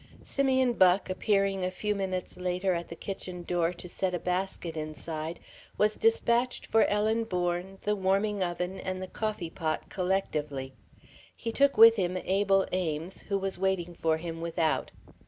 Simeon Buck, appearing a few minutes later at the kitchen door to set a basket inside, was dispatched for Ellen Bourne, the warming oven, and the coffee pot, collectively. He took with him Abel Ames, who was waiting for him without.